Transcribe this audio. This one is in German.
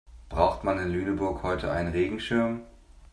Braucht man in Lüneburg heute einen Regenschirm?